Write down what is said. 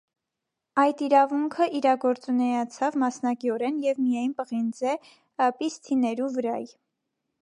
Այդ իրաունքը իրագործուեցաւ մասնակիօրէն եւ միայն պղինձէ պիսթիներու վրայ։